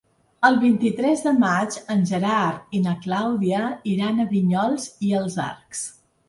El vint-i-tres de maig en Gerard i na Clàudia iran a Vinyols i els Arcs.